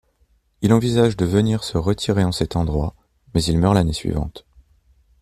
Il envisage de venir se retirer en cet endroit, mais il meurt l’année suivante.